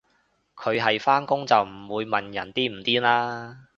佢係返工就唔會問人癲唔癲啦